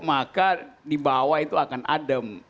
maka di bawah itu akan adem